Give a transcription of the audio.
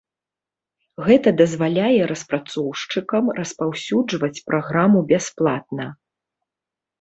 Гэта дазваляе распрацоўшчыкам распаўсюджваць праграму бясплатна.